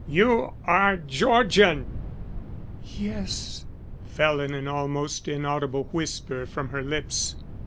You are Georgian." "Yes," fell in almost an inaudible whisper from her lips.